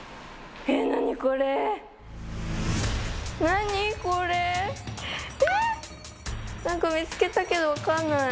何か見つけたけど分かんない。